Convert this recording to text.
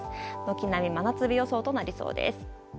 軒並み真夏日予想となりそうです。